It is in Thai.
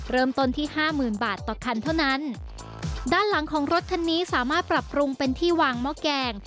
เริ่มต้นที่ห้าหมื่นบาทต่อคันเท่านั้นด้านหลังของรถคันนี้สามารถปรับปรุงเป็นที่วางหม้อแกง